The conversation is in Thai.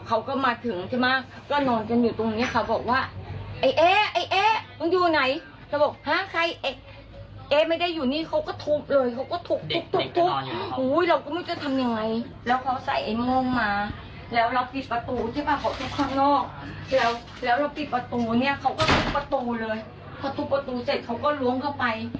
แล้วแล้วเราปิดประตูเนี้ยเขาก็ทุบประตูเลยพอทุบประตูเสร็จเขาก็ล้วงเข้าไป